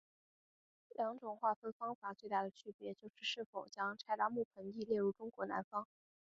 两种划分方法最大的区别就是是否将柴达木盆地列入中国南方。